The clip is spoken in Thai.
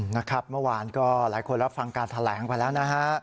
เมื่อวานก็หลายคนรับฟังการแถลงไปแล้วนะฮะ